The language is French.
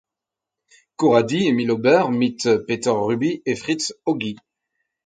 Corradi, Emil Ober mit Peter Rubi et Fritz Ogi.